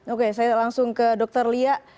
oke saya langsung ke dr lia